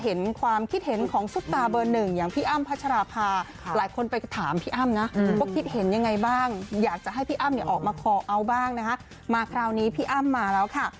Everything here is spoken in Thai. ออกมาคออัลบ้างนะครับมาคราวนี้พี่อ้ำมาแล้วค่ะ